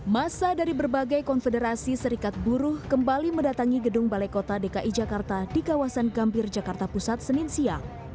masa dari berbagai konfederasi serikat buruh kembali mendatangi gedung balai kota dki jakarta di kawasan gambir jakarta pusat senin siang